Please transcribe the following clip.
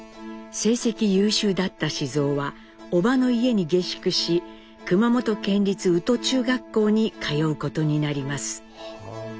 成績優秀だった雄は伯母の家に下宿し熊本県立宇土中学校に通うことになります。